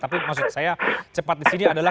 tapi maksud saya cepat di sini adalah